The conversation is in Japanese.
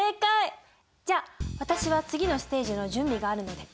じゃあ私は次のステージの準備があるので。